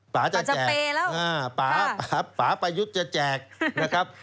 ป่าจะแจกป๊าประยุทธ์จะแจกนะครับ